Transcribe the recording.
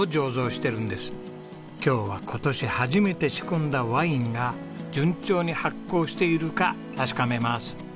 今日は今年初めて仕込んだワインが順調に発酵しているか確かめます。